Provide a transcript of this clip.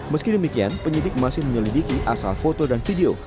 meski demikian penyidik masih menyelidiki asal foto dan video